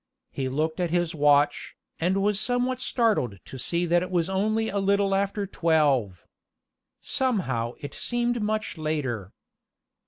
He looked at his watch, and was somewhat startled to see that it was only a little after twelve. Somehow it seemed much later.